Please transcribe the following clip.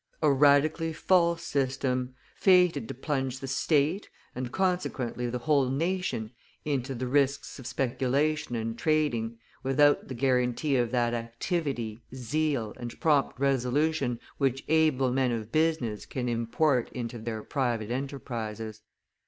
A radically false system, fated to plunge the state, and consequently the whole nation, into the risks of speculation and trading, without the guarantee of that activity, zeal, and prompt resolution which able men of business can import into their private enterprises.